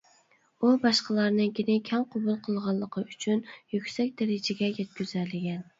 ئۇ باشقىلارنىڭكىنى كەڭ قوبۇل قىلغانلىقى ئۈچۈن يۈكسەك دەرىجىگە يەتكۈزەلىگەن.